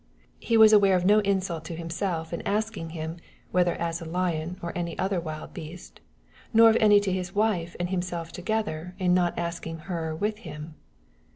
He was aware of no insult to himself in asking him whether as a lion or any other wild beast, nor of any to his wife and himself together in not asking her with him.